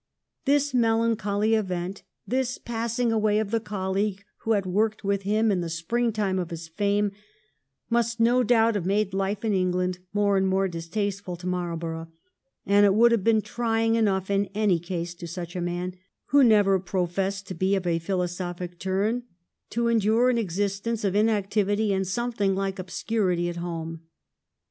This melancholy event, this passing away of the colleague who had worked with him in the spring time of his fame, must no doubt have made life in England more and more distasteful to Marlborough, and it would have been trying enough in any case to such a man, who never professed to be of a philosophic turn, to endure an existence of inactivity and something like obscurity at home.